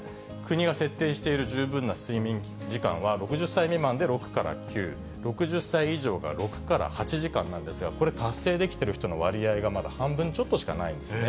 国が設定している十分な睡眠時間は６０歳未満で６から９、６０歳以上が６から８時間なんですが、これ、達成できている人の割合がまだ半分ちょっとしかないんですね。